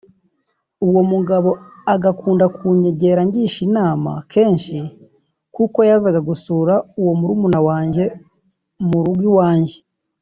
uwo mugabo agakunda kunyegera angisha inama kenshi kuko yazaga gusura uwo murumuna wanjye mu rugo iwanjye